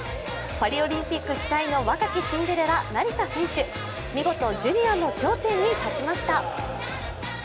パリオリンピック期待の若きシンデレラ、成田選手、見事ジュニアの頂点に立ちました。